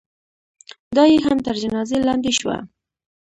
دا یې هم تر جنازې لاندې شوه.